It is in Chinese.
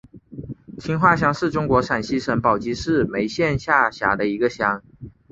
青化乡是中国陕西省宝鸡市眉县下辖的一个乡。